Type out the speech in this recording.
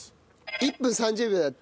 １分３０秒だって。